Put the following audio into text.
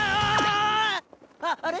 あっあれ？